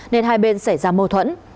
nên hai bên xảy ra mâu thuẫn